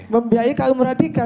membiayai kaum radikal